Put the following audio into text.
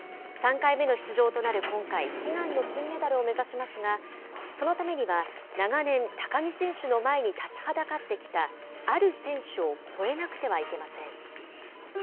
３回目の出場となる今回悲願の金メダルを目指しますがそのためには、長年高木選手の前に立ちはだかってきたある選手を超えなくてはいけません。